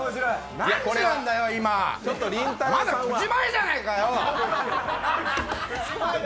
何時なんだよ、今、まだ９時前じゃないかよ。